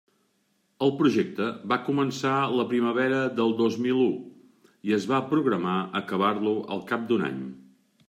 El projecte va començar la primavera del dos mil u, i es va programar acabar-lo al cap d'un any.